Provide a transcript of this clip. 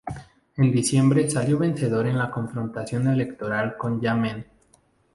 En diciembre salió vencedor en la confrontación electoral con Jammeh.